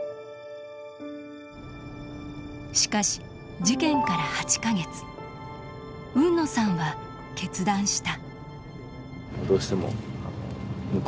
しかし事件から８か月海野さんは決断した。